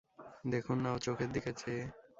দেখুন-না, ওঁর চোখের দিকে চেয়ে।